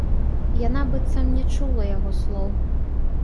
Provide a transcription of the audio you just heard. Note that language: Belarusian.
Яна быццам не чула яго слоў.